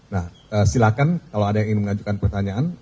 nah silakan kalau ada yang ingin mengajukan pertanyaan